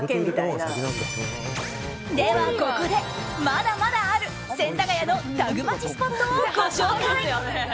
ではここで、まだまだある千駄ヶ谷のタグマチスポットをご紹介。